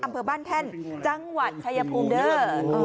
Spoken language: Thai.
อำเภอบ้านแท่นจังหวัดชายภูมิเด้อ